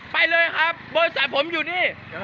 มาดีครับเบอร์สรรค์ผมอยู่นี้